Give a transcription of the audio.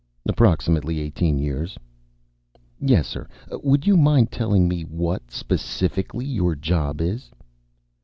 "Approximately eighteen years." "Yes, sir. Would you mind telling me what, specifically, your job is?"